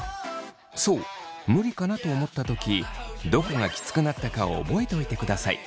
そう無理かなと思った時どこがキツくなったかを覚えておいてください。